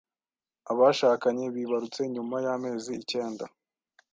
Abashakanye bibarutse nyuma y'amezi icyenda